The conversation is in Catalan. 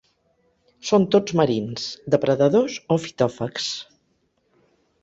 Són tots marins, depredadors o fitòfags.